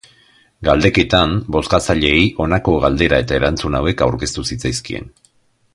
Galdeketan, bozkatzaileei honako galdera eta erantzun hauek aurkeztu zitzaizkien.